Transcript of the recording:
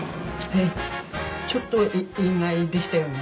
えっちょっと意外でしたよね。